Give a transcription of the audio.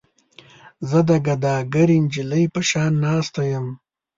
زه د ګداګرې نجلۍ په شان ناسته یم.